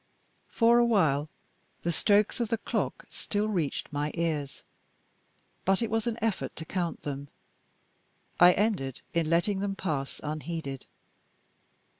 For a while, the strokes of the clock still reached my ears. But it was an effort to count them; I ended in letting them pass unheeded.